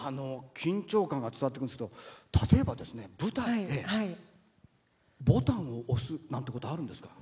緊張感が伝わってくるんですけど例えば舞台でボタンを押すなんてことはあるんですか？